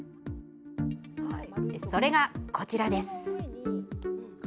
それが、こちらです。